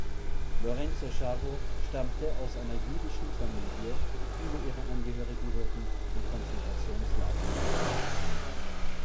Lorenz-Szabo stammte aus einer jüdischen Familie, viele ihrer Angehörigen wurden in Konzentrationslagern vernichtet.